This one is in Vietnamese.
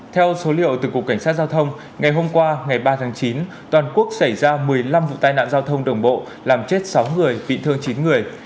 theo số liệu từ cục cảnh sát giao thông ngày hôm qua ngày ba tháng chín toàn quốc xảy ra một mươi năm vụ tai nạn giao thông đồng bộ làm chết sáu người bị thương chín người